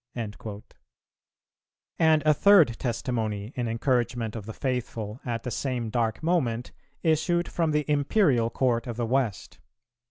"[307:2] And a third testimony in encouragement of the faithful at the same dark moment issued from the Imperial court of the West.